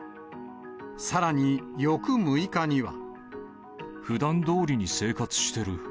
さらに翌６日には。ふだんどおりに生活してる。